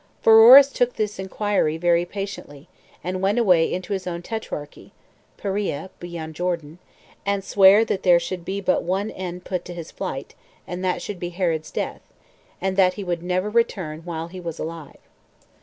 Pheroras took this injury very patiently, and went away into his own tetrarchy, [Perea beyond Jordan,] and sware that there should be but one end put to his flight, and that should be Herod's death; and that he would never return while he was alive.